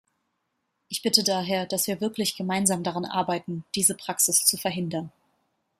Ich bitte daher, dass wir wirklich gemeinsam daran arbeiten, diese Praxis zu verhindern.